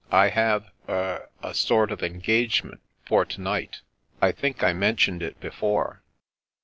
" I have— er — a sort of engagement for to night. I think I mentioned it before."